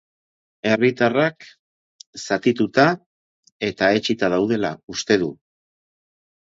Herritarrak zatituta eta etsita daudela uste du.